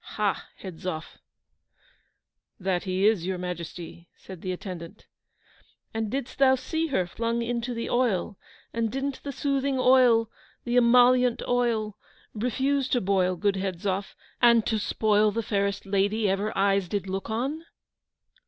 Ha, Hedzoff!' 'That he is, your Majesty,' said the attendant. 'And didst thou see her flung into the oil? and didn't the soothing oil the emollient oil, refuse to boil, good Hedzoff and to spoil the fairest lady ever eyes did look on?